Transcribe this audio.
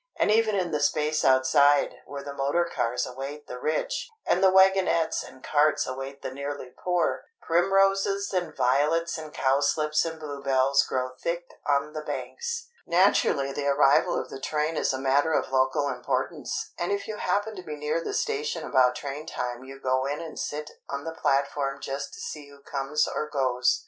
And even in the space outside, where the motor cars await the rich, and the wagonettes and carts await the nearly poor, primroses and violets and cowslips and bluebells grow thick on the banks. Naturally the arrival of the train is a matter of local importance, and if you happen to be near the station about train time you go in and sit on the platform just to see who comes or goes.